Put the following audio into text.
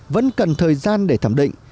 vẫn cần thời gian để thẩm định